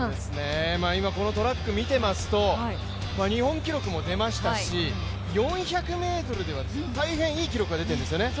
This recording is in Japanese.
今、このトラック見てますと日本記録も出ましたし４００ｍでは大変いい記録が出ているんですよね。